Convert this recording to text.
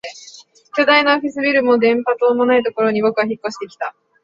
巨大なオフィスビルも電波塔もないところに僕は引っ越してきた